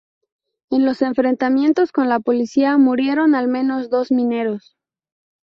En los enfrentamientos con la policía murieron al menos dos mineros.